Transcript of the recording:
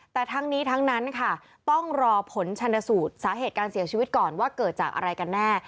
แต่ทั้งนี้ทั้งนั้นค่ะต้องรอผลชนสูตรสาเหตุการเสียชีวิตก่อนว่าเกิดจากอะไรกันแน่